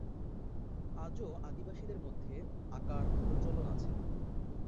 আজও আদিবাসীদের মধ্যে আঁকার প্রচলন আছে।